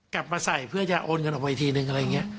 กลับมาใส่เพื่อจะโอนเงินออกมาอีกทีนึงอะไรอย่างนี้